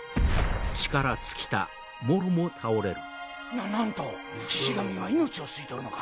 ななんとシシ神は命を吸い取るのか。